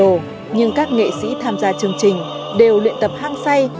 khổng lồ nhưng các nghệ sĩ tham gia chương trình đều luyện tập hang say